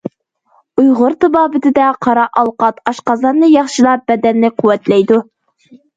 ئۇيغۇر تېبابىتىدە قارا ئالقات ئاشقازاننى ياخشىلاپ، بەدەننى قۇۋۋەتلەيدۇ.